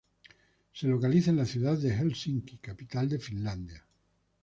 Se localiza en la ciudad de Helsinki, capital de Finlandia.